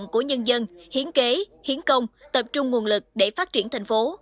của nhân dân hiến kế hiến công tập trung nguồn lực để phát triển thành phố